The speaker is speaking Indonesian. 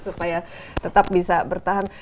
supaya tetap bisa bertahan